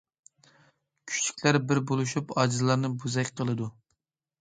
كۈچلۈكلەر بىر بولۇشۇپ ئاجىزلارنى بوزەك قىلىدۇ.